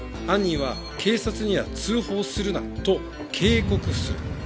犯人は警察には通報するなと警告する。